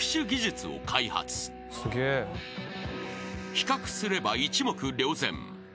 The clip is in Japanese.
［比較すれば一目瞭然］